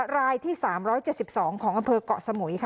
รายที่๓๗๒ของอำเภอกเกาะสมุยค่ะ